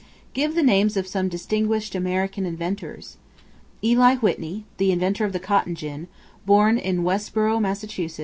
Give the names of some distinguished American inventors. Eli Whitney, the inventor of the Cotton Gin, born in Westborough, Mass.